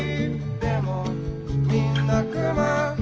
でもみんなくま」